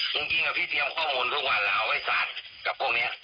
จริงจริงอะพี่เตรียมข้อมูลทุกวันแล้วไอ้สัตว์กับพวกเนี้ย